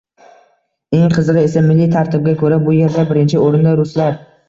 Eng qizig‘i esa, milliy tarkibga ko‘ra bu yerda birinchi o‘rinda ruslar